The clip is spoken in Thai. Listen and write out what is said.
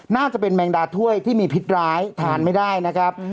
น่าจะเป็นแมงดาถ้วยที่มีพิษร้ายทานไม่ได้นะครับ